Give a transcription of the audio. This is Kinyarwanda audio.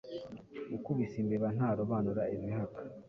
ukubise imbeba ntarobanura izihaka